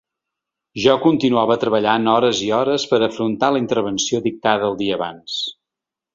Jo continuava treballant hores i hores per afrontar la intervenció dictada el dia abans.